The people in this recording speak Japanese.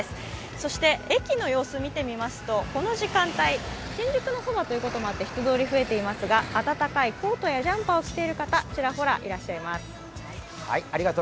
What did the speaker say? そして駅の様子を見てみますと、この時間帯、新宿のそばということもあって人通りが増えていますが、暖かいコートやジャンパーを着ている方、ちらほらいらっしゃいます。